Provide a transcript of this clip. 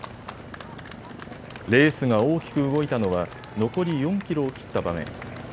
レースが大きく動いたのは残り４キロを切った場面。